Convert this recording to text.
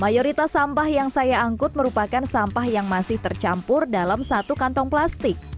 mayoritas sampah yang saya angkut merupakan sampah yang masih tercampur dalam satu kantong plastik